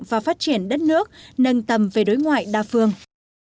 và phát triển đất nước nâng tầm về đối ngoại đa phương